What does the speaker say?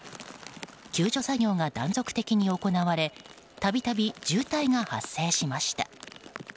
救助作業が断続的に行われ度々、渋滞が発生しました。